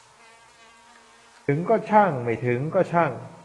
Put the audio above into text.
ถึงก็ช่างไม่ถึงก็ช่าง